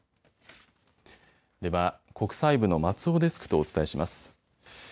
では国際部の松尾デスクとお伝えします。